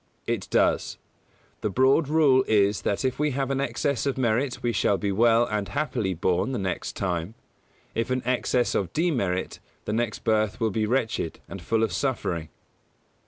It does. The broad rule is that if we have an excess of merit we shall be well and happily born the next time; if an excess of demerit, our next birth will be wretched and full of suffering.